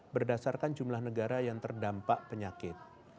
berdasarkan jumlah negara yang terdampak penyakit